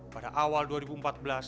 pada akhirnya mbak mbak ketika berkata